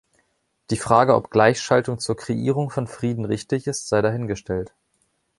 Die Frage, ob Gleichschaltung zur Kreierung von Frieden richtig ist, sei dahingestellt.